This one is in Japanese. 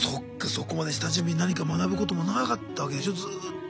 そこまで下準備何か学ぶこともなかったわけでしょずっと。